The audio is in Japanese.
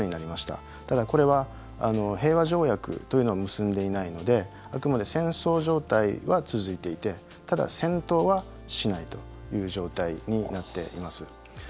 ただ、これは平和条約というのは結んでいないのであくまで戦争状態は続いていてただ、戦闘はしないという状態になっています。